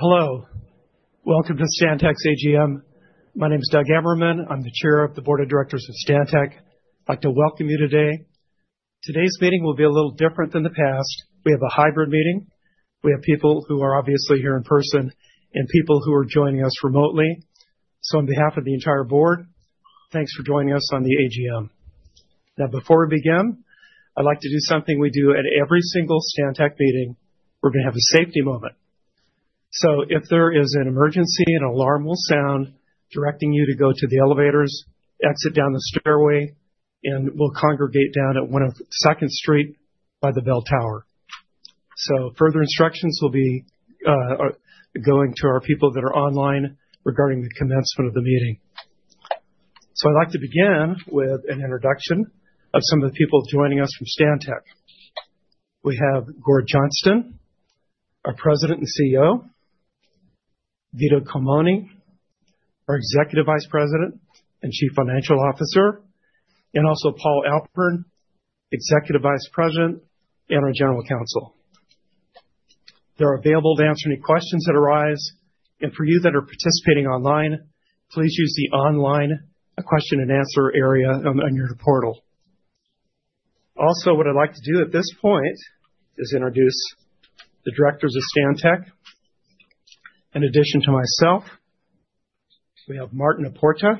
Hello. Welcome to Stantec's AGM. My name is Doug Ammerman. I'm the Chair of the Board of Directors of Stantec. I'd like to welcome you today. Today's meeting will be a little different than the past. We have a hybrid meeting. We have people who are obviously here in person and people who are joining us remotely. On behalf of the entire board, thanks for joining us on the AGM. Now, before we begin, I'd like to do something we do at every single Stantec meeting. We're going to have a safety moment. If there is an emergency, an alarm will sound directing you to go to the elevators, exit down the stairway, and we'll congregate down at 102nd Street by the Bell Tower. Further instructions will be going to our people that are online regarding the commencement of the meeting. I'd like to begin with an introduction of some of the people joining us from Stantec. We have Gord Johnston, our President and CEO; Vito Culmone, our Executive Vice President and Chief Financial Officer; and also Paul Alpern, Executive Vice President and our General Counsel. They're available to answer any questions that arise. For you that are participating online, please use the online question-and-answer area on your portal. Also, what I'd like to do at this point is introduce the directors of Stantec. In addition to myself, we have Martin Aporta,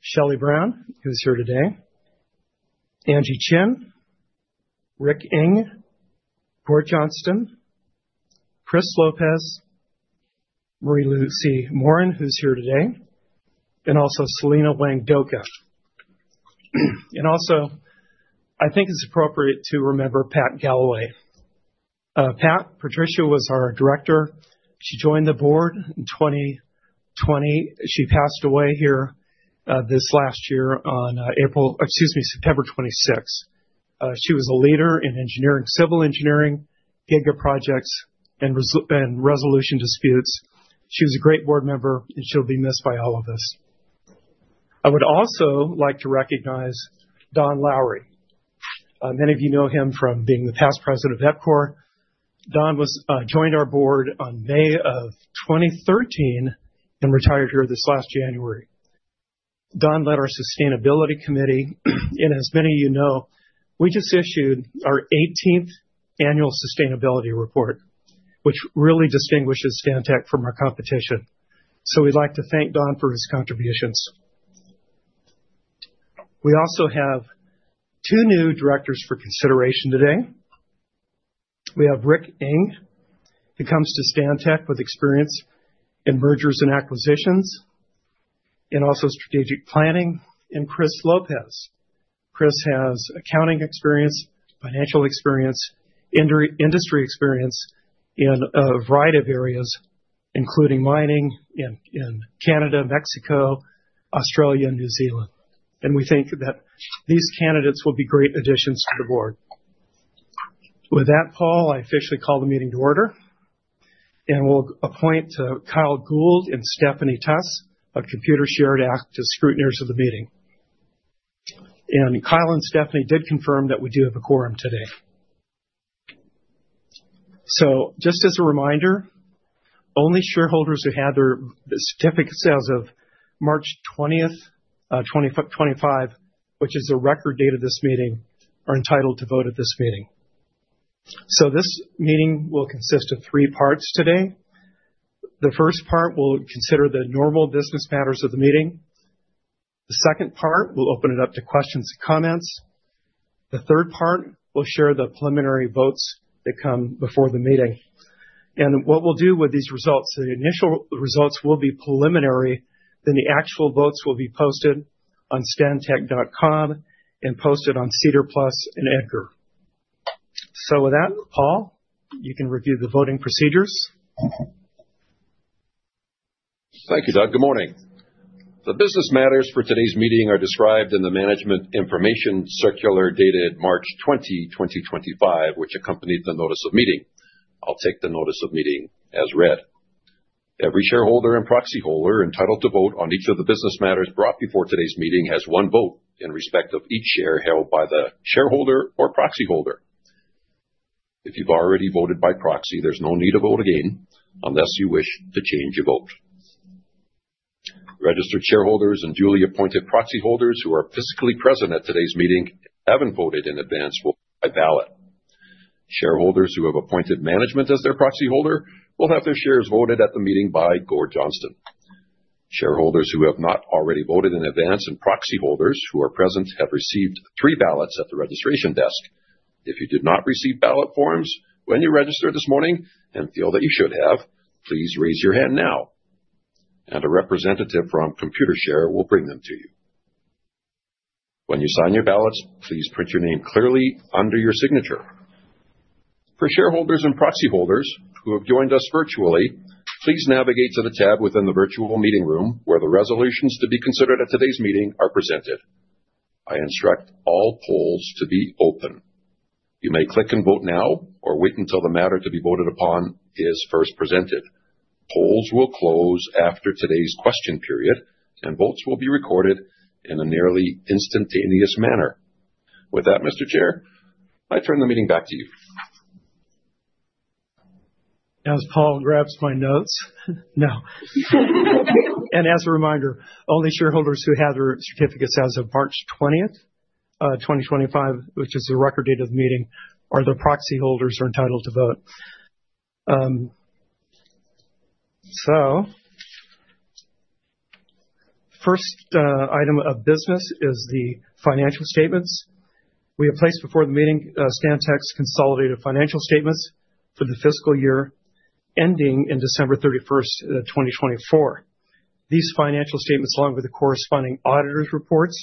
Shelly Brown, who's here today; Angie Chin, Rick Ng, Gord Johnston, Chris Lopez, Marie-Lucie Morin, who's here today; and also Selena Wang-Dooka. I think it's appropriate to remember Pat Galloway. Pat, Patricia was our director. She joined the board in 2020. She passed away here this last year on April, excuse me, September 26. She was a leader in engineering, civil engineering, GIGA projects, and resolution disputes. She was a great board member, and she'll be missed by all of us. I would also like to recognize Don Lowry. Many of you know him from being the past president of EPCOR. Don joined our board in May of 2013 and retired here this last January. Don led our Sustainability Committee. As many of you know, we just issued our 18th Annual Sustainability Report, which really distinguishes Stantec from our competition. We would like to thank Don for his contributions. We also have two new directors for consideration today. We have Rick Ng, who comes to Stantec with experience in mergers and acquisitions, and also strategic planning, and Chris Lopez. Chris has accounting experience, financial experience, industry experience in a variety of areas, including mining in Canada, Mexico, Australia, and New Zealand. We think that these candidates will be great additions to the board. With that, Paul, I officially call the meeting to order. We will appoint Kyle Gould and Stephanie Tuss of Computershare to act as scrutineers of the meeting. Kyle and Stephanie did confirm that we do have a quorum today. Just as a reminder, only shareholders who had their certificates as of March 20, 2025, which is the record date of this meeting, are entitled to vote at this meeting. This meeting will consist of three parts today. The first part will consider the normal business matters of the meeting. The second part will open it up to questions and comments. The third part will share the preliminary votes that come before the meeting. What we'll do with these results, the initial results will be preliminary. The actual votes will be posted on stantec.com and posted on SEDAR Plus and EDGAR. With that, Paul, you can review the voting procedures. Thank you, Doug. Good morning. The business matters for today's meeting are described in the Management Information Circular dated March 20, 2025, which accompanied the Notice of Meeting. I'll take the Notice of Meeting as read. Every shareholder and proxy holder entitled to vote on each of the business matters brought before today's meeting has one vote in respect of each share held by the shareholder or proxy holder. If you've already voted by proxy, there's no need to vote again unless you wish to change your vote. Registered shareholders and duly appointed proxy holders who are physically present at today's meeting haven't voted in advance by ballot. Shareholders who have appointed management as their proxy holder will have their shares voted at the meeting by Gord Johnston. Shareholders who have not already voted in advance and proxy holders who are present have received three ballots at the registration desk. If you did not receive ballot forms when you registered this morning and feel that you should have, please raise your hand now. A representative from Computershare will bring them to you. When you sign your ballots, please print your name clearly under your signature. For shareholders and proxy holders who have joined us virtually, please navigate to the tab within the virtual meeting room where the resolutions to be considered at today's meeting are presented. I instruct all polls to be open. You may click and vote now or wait until the matter to be voted upon is first presented. Polls will close after today's question period, and votes will be recorded in a nearly instantaneous manner. With that, Mr. Chair, I turn the meeting back to you. As Paul grabs my notes, no. As a reminder, only shareholders who had their certificates as of March 20, 2025, which is the record date of the meeting, are the proxy holders entitled to vote. The first item of business is the financial statements. We have placed before the meeting Stantec's consolidated financial statements for the fiscal year ending December 31, 2024. These financial statements, along with the corresponding auditor's reports,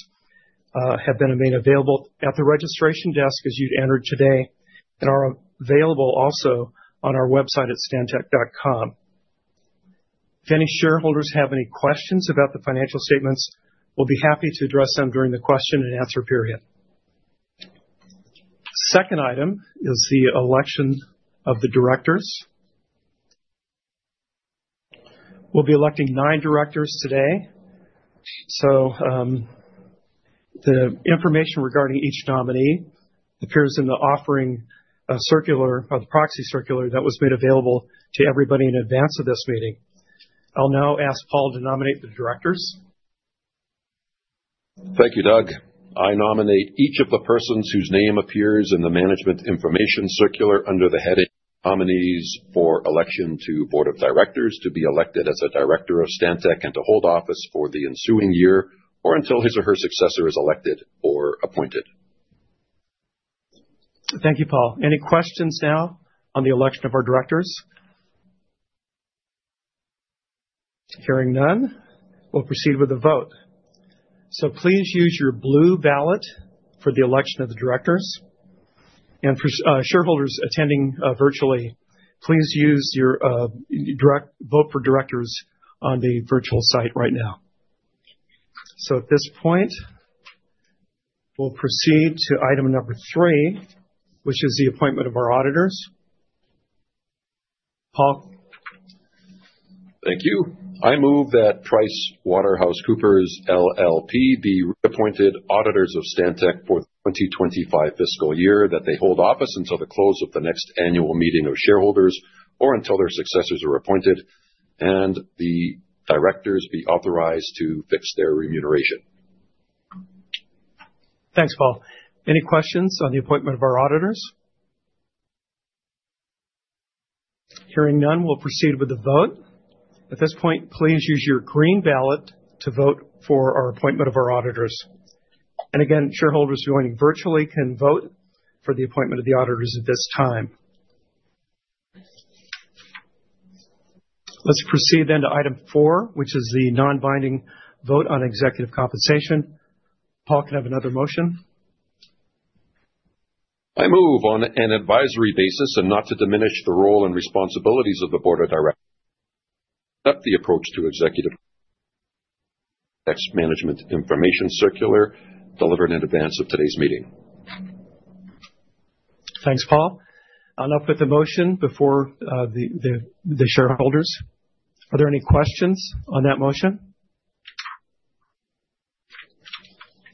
have been made available at the registration desk as you entered today and are also available on our website at stantec.com. If any shareholders have any questions about the financial statements, we'll be happy to address them during the question-and-answer period. The second item is the election of the directors. We'll be electing nine directors today. The information regarding each nominee appears in the proxy circular that was made available to everybody in advance of this meeting. I'll now ask Paul to nominate the directors. Thank you, Doug. I nominate each of the persons whose name appears in the Management Information Circular under the heading Nominees for Election to Board of Directors to be elected as a director of Stantec and to hold office for the ensuing year or until his or her successor is elected or appointed. Thank you, Paul. Any questions now on the election of our directors? Hearing none, we'll proceed with the vote. Please use your blue ballot for the election of the directors. For shareholders attending virtually, please use your direct vote for directors on the virtual site right now. At this point, we'll proceed to item number three, which is the appointment of our auditors. Paul. Thank you. I move that PricewaterhouseCoopers LLP be reappointed auditors of Stantec for the 2025 fiscal year, that they hold office until the close of the next annual meeting of shareholders or until their successors are appointed, and the directors be authorized to fix their remuneration. Thanks, Paul. Any questions on the appointment of our auditors? Hearing none, we'll proceed with the vote. At this point, please use your green ballot to vote for our appointment of our auditors. Shareholders joining virtually can vote for the appointment of the auditors at this time. Let's proceed then to item four, which is the non-binding vote on executive compensation. Paul, can I have another motion? I move on an advisory basis and not to diminish the role and responsibilities of the Board of Directors that the approach to executive tax management information circular delivered in advance of today's meeting. Thanks, Paul. I'll now put the motion before the shareholders. Are there any questions on that motion?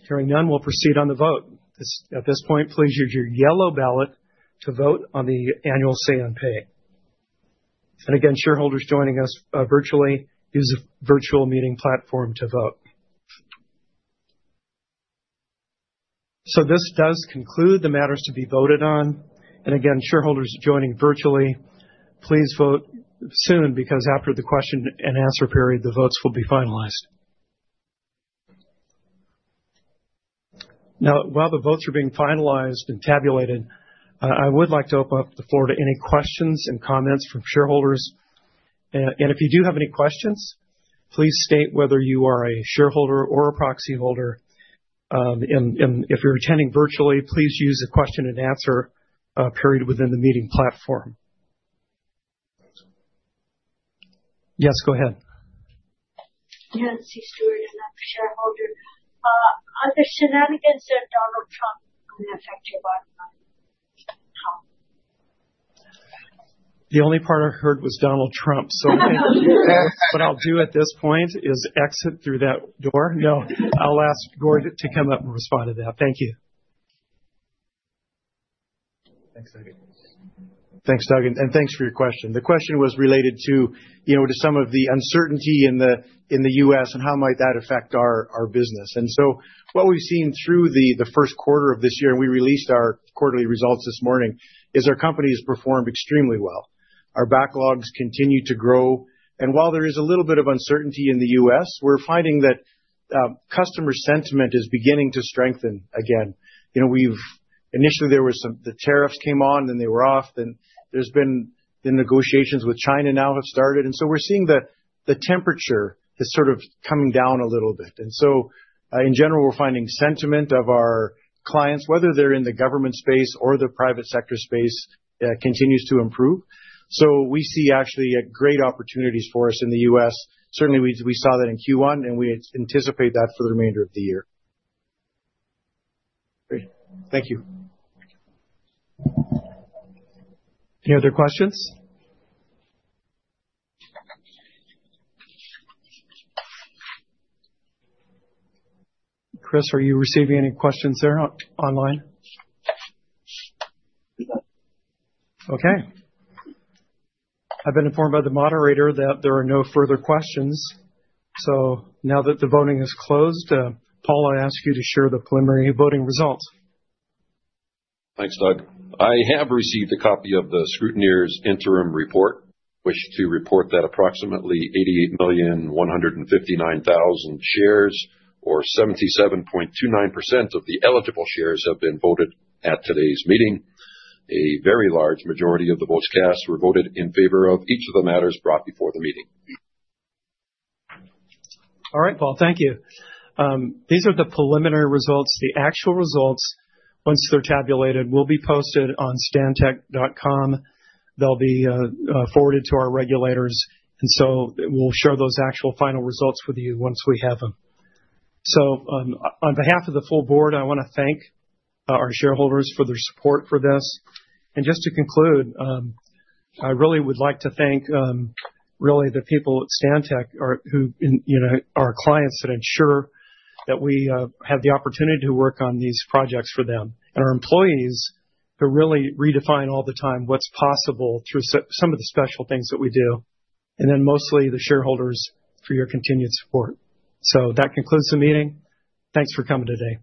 Hearing none, we'll proceed on the vote. At this point, please use your yellow ballot to vote on the annual say-on-pay. Again, shareholders joining us virtually use the virtual meeting platform to vote. This does conclude the matters to be voted on. Again, shareholders joining virtually, please vote soon because after the question-and-answer period, the votes will be finalized. Now, while the votes are being finalized and tabulated, I would like to open up the floor to any questions and comments from shareholders. If you do have any questions, please state whether you are a shareholder or a proxy holder. If you're attending virtually, please use the question-and-answer period within the meeting platform. Yes, go ahead. Yeah, I see Stuart as a shareholder. Are the shenanigans that Donald Trump is doing going to affect your bottom line? The only part I heard was Donald Trump. So, what I'll do at this point is exit through that door. No, I'll ask Gord to come up and respond to that. Thank you. Thanks, Doug. Thanks, Doug. And thanks for your question. The question was related to, you know, to some of the uncertainty in the U.S. and how might that affect our business. What we've seen through the first quarter of this year, and we released our quarterly results this morning, is our companies performed extremely well. Our backlogs continue to grow. While there is a little bit of uncertainty in the U.S., we're finding that customer sentiment is beginning to strengthen again. You know, we've initially, there were some the tariffs came on, then they were off. There have been the negotiations with China now have started. We're seeing the temperature is sort of coming down a little bit. In general, we're finding sentiment of our clients, whether they're in the government space or the private sector space, continues to improve. We see actually great opportunities for us in the U.S. Certainly, we saw that in Q1, and we anticipate that for the remainder of the year. Great. Thank you. Any other questions? Chris, are you receiving any questions there online? Okay. I have been informed by the moderator that there are no further questions. Now that the voting is closed, Paul, I will ask you to share the preliminary voting results. Thanks, Doug. I have received a copy of the scrutineer's interim report. I wish to report that approximately 88,159,000 shares or 77.29% of the eligible shares have been voted at today's meeting. A very large majority of the votes cast were voted in favor of each of the matters brought before the meeting. All right, Paul, thank you. These are the preliminary results. The actual results, once they're tabulated, will be posted on stantec.com. They'll be forwarded to our regulators. We will share those actual final results with you once we have them. On behalf of the full board, I want to thank our shareholders for their support for this. Just to conclude, I really would like to thank really the people at Stantec who are our clients that ensure that we have the opportunity to work on these projects for them, and our employees who really redefine all the time what's possible through some of the special things that we do, and then mostly the shareholders for your continued support. That concludes the meeting. Thanks for coming today.